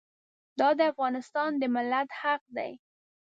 دا د افغانستان د ملت حق دی.